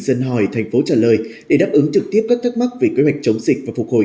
dân hỏi thành phố trả lời để đáp ứng trực tiếp các thắc mắc về kế hoạch chống dịch và phục hồi